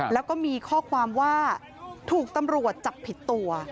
แล้วก็มีข้อความว่าถูกตำรวจจับผิดตัว